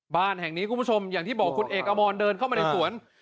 บ้านแห่งนี้คุณผู้ชมอย่างที่บอกคุณเอกอมรเดินเข้ามาในสวน